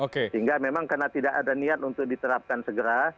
sehingga memang karena tidak ada niat untuk diterapkan segera